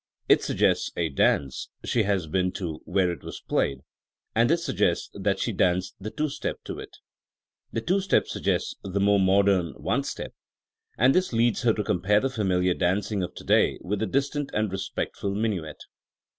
It suggests a dance she had been to where it was played, and this sug gests that she danced the two step to it. The two step suggests the more modem one step, and this leads her to compare the familiar danc ing of to day with the distant and respectful minuet.